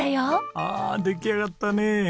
ああ出来上がったね。